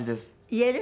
言える？